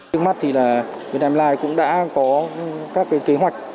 điều này cũng đã có các kế hoạch